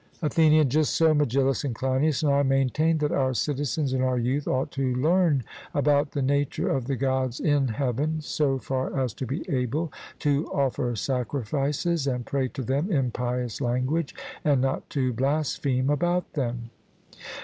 ATHENIAN: Just so, Megillus and Cleinias; and I maintain that our citizens and our youth ought to learn about the nature of the Gods in heaven, so far as to be able to offer sacrifices and pray to them in pious language, and not to blaspheme about them.